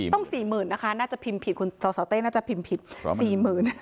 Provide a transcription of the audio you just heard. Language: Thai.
ต้องสี่หมื่นนะคะน่าจะพิมพ์ผิดคุณสาวสาวเต้น่าจะพิมพ์ผิดสี่หมื่น